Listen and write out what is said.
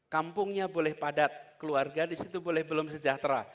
kampungnya boleh padat keluarga di situ boleh belum sejahtera